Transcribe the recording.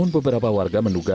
berapa orang ya